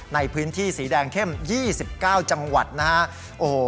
ในพื้นที่สีแดงเข้ม๒๙จังหวัดนะฮะ